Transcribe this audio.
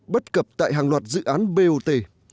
bất cập tại hàng loạt dự án bot